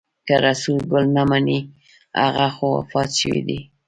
که رسول ګل نه مني هغه خو وفات شوی دی.